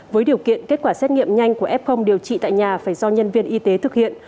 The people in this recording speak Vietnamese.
với điều kiện kết quả xét nghiệm nhanh của f điều trị tại nhà phải do nhân viên y tế thực hiện